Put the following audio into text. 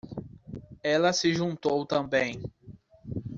Ela se juntou também.